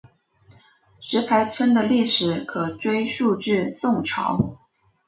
石牌村的历史可追溯至宋朝。